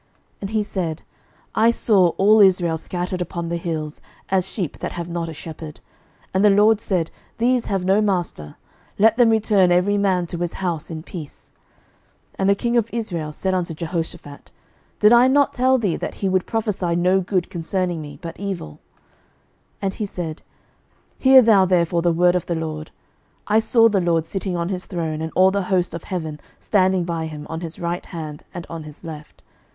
11:022:017 And he said, I saw all Israel scattered upon the hills, as sheep that have not a shepherd: and the LORD said, These have no master: let them return every man to his house in peace. 11:022:018 And the king of Israel said unto Jehoshaphat, Did I not tell thee that he would prophesy no good concerning me, but evil? 11:022:019 And he said, Hear thou therefore the word of the LORD: I saw the LORD sitting on his throne, and all the host of heaven standing by him on his right hand and on his left.